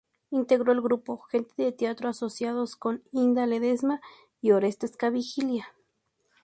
Integró el grupo "Gente de Teatro Asociados" con Inda Ledesma y Orestes Caviglia.